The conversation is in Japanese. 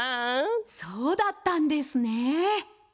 そうだったんですね！